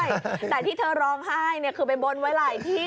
ใช่แต่ที่เธอร้องไห้เนี่ยคือไปบนไว้หลายที่